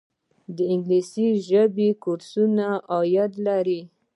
د انګلیسي ژبې کورسونه عاید لري؟